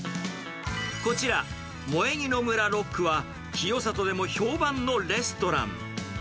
こちら、萌木の村ＲＯＣＫは、清里でも評判のレストラン。